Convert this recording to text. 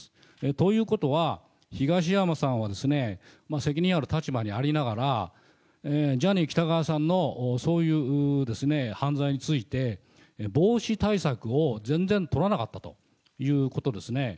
ということは、東山さんは責任ある立場にありながら、ジャニー喜多川さんのそういう犯罪について、防止対策を全然取らなかったということですね。